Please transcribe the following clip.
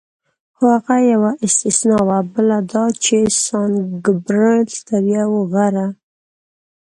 خو هغه یوه استثنا وه، بله دا چې سان ګبرېل تر یو غره.